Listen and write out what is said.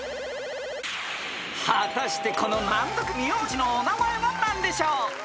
［果たしてこの難読名字のお名前は何でしょう？］